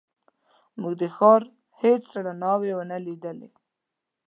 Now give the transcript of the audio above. موږ د ښار هېڅ رڼاوې ونه لیدلې.